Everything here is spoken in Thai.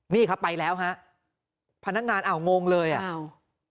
นี่ครับไปแล้วฮะพนักงานอ้าวงงเลยอ่ะอ้าว